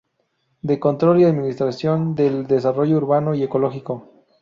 De Control y Administración del Desarrollo Urbano y Ecológico.